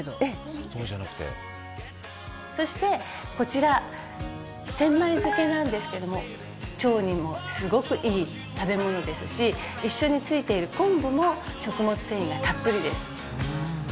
「砂糖じゃなくて」そしてこちら千枚漬けなんですけども腸にもすごくいい食べ物ですし一緒についている昆布も食物繊維がたっぷりです。